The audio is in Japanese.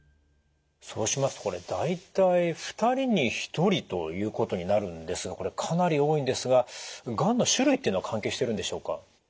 そうしますとこれ大体２人に１人ということになるんですがこれかなり多いんですががんの種類っていうのは関係してるんでしょうか？